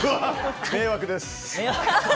迷惑です。